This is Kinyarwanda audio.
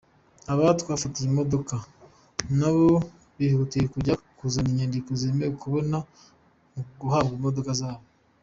Aba twafatiye imodoka na bo bihutire kujya kuzana inyandiko zemewe babone guhabwa imodoka zabo.